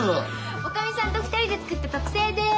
おかみさんと２人で作った特製です。